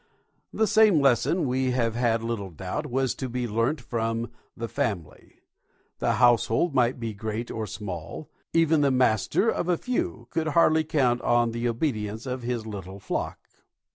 The same lesson, we had little doubt, was to be learnt from the family: the household might be great or small even the master of few could hardly count on the obedience of his little flock.